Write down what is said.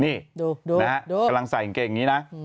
นี่ดูนะฮะกำลังใส่กางเกงอย่างนี้นะ